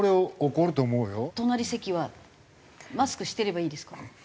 隣席はマスクしてればいいですか？